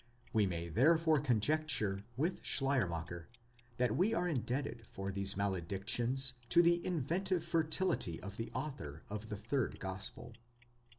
We may therefore conjecture, with Schleiermacher,!* that we are indebted for these maledictions to the inventive fertility of the author of the third gospel.